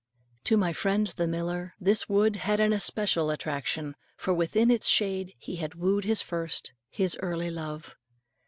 To my friend the miller this wood had an especial attraction, for within its shade he had wooed his first, his early love.